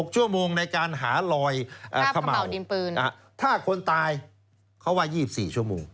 ๖ชั่วโมงในการหารอยขม่าวดินปืนถ้าคนตายเขาว่า๒๔ชั่วโมง